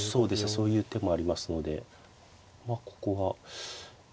そういう手もありますのでまあここは。